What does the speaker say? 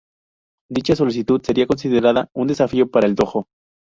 Dicha solicitud sería considerada un "desafío" para el dojo.